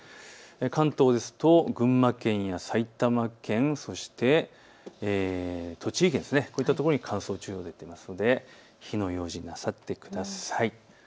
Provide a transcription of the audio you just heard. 関東ですと群馬県や埼玉県、そして栃木県、こういったところに乾燥注意報が出ていますので火の用心なさってください。